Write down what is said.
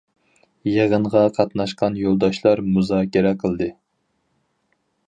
يىغىنغا قاتناشقان يولداشلار مۇزاكىرە قىلدى.